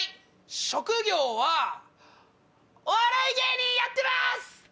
職業はお笑い芸人やってます！